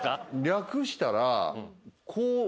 略したらこう。